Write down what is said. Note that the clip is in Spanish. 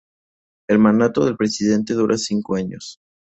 El mandato del presidente dura cinco años.